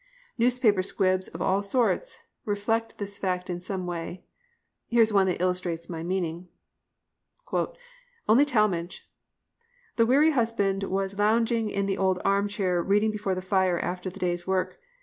Newspaper squibs of all sorts reflect this fact in some way. Here is one that illustrates my meaning: "ONLY TALMAGE! "The weary husband was lounging in the old armchair reading before the fire after the day's work.